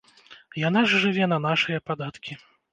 Яна ж жыве на нашыя падаткі.